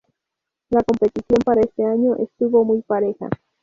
La competición para este año estuvo muy pareja.